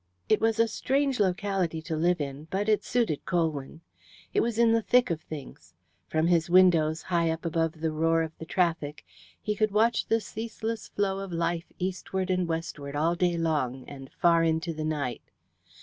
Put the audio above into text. It was a strange locality to live in, but it suited Colwyn. It was in the thick of things. From his windows, high up above the roar of the traffic, he could watch the ceaseless flow of life eastward and westward all day long, and far into the night.